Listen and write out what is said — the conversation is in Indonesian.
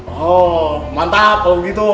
oh mantap kalau gitu